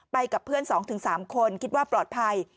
ไปกับเพื่อนสองถึงสามคนคิดว่าปลอดภัย